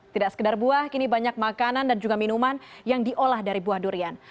tidak sekedar buah kini banyak makanan dan juga minuman yang diolah dari buah durian